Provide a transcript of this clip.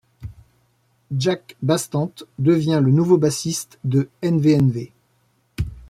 Jack Bastante devient le nouveau bassiste de NvNv.